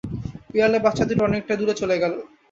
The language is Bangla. বিড়ালের বাচ্চা দুটি অনেকটা দূরে চলে গেল।